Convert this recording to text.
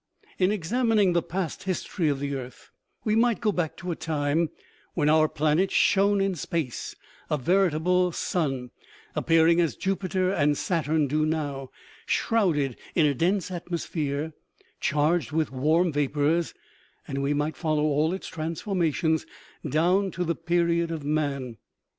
In examining the past history of the earth, we might go back to a time when our planet shone in space, a veritable sun, appearing as Jupiter and Saturn do now, shrouded in a dense atmosphere charged with warm vapors ; and we might follow all its transformations down to the period of man.